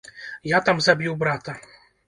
Я там забіў брата.